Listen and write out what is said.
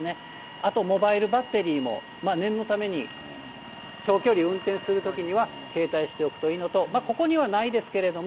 あとモバイルバッテリーも念のために長距離運転するときには、携帯しておくといいのと、ここにはないですけれども。